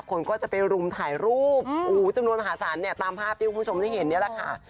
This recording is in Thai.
คนก็จะไปรุมถ่ายรูปโอ้โหจำนวนมหาศาลเนี่ยตามภาพที่คุณผู้ชมได้เห็นนี่แหละค่ะ